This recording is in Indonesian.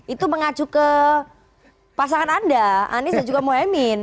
itu mengacu ke pasangan anda aniesa juga mohaimin